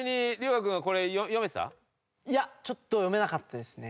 いやちょっと読めなかったですね。